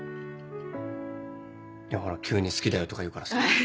いやほら急に「好きだよ」とか言うからさ。